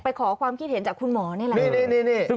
ขอความคิดเห็นจากคุณหมอนี่แหละ